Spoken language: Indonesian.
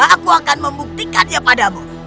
aku akan membuktikannya padamu